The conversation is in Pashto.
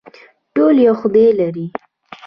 ټول یو خدای لري